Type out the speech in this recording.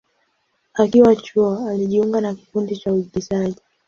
Akiwa chuo, alijiunga na kikundi cha uigizaji.